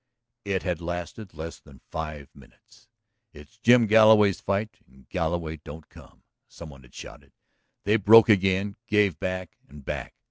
It had lasted less than five minutes. "It's Jim Galloway's fight and Galloway don't come!" some one had shouted. They broke again, gave back and back